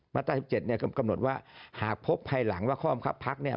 ตรา๑๗เนี่ยก็กำหนดว่าหากพบภายหลังว่าข้อบังคับพักเนี่ย